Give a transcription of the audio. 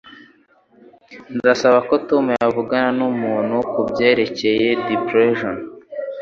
Ndasaba ko Tom yavugana numuntu kubyerekeye depression